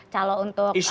calo untuk atap pabrik